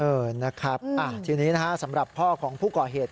เออนะครับทีนี้นะฮะสำหรับพ่อของผู้ก่อเหตุ